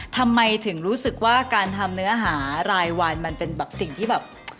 ทำไมถึงรู้สึกว่าการทำเนื้อหารายวันมันเป็นแบบสิ่งที่แบบ